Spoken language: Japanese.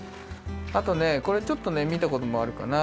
あとねこれちょっとねみたこともあるかな